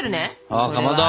あっかまど。